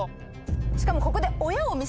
しかもここで。